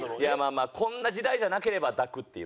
まあこんな時代じゃなければ抱くっていう感じですね。